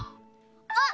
あっ！